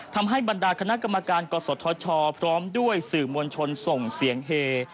ทำให้บรรดาคณะกรรมการกศธชพร้อมด้วยสื่อมวลชนส่งเสียงเฮ